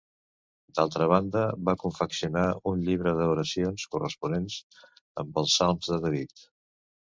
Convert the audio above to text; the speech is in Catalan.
D'altra banda, va confeccionar un llibre d'oracions corresponents amb els salms de David.